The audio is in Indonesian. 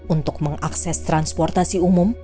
untuk mengakses transportasi umum